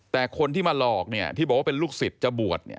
แต่คนที่มาหลอกเนี่ยที่บอกว่าเป็นลูกศิษย์จะบวชเนี่ย